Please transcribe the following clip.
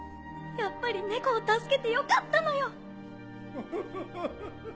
やっぱり猫を助けてよかったのよ！